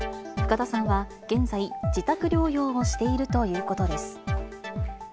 深田さんは現在、自宅療養をしているということです。